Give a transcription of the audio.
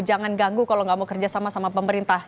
jangan ganggu kalau nggak mau kerjasama sama pemerintah